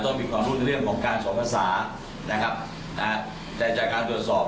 มีความรู้ในเรื่องของการสอนภาษานะครับนะฮะแต่จากการตรวจสอบ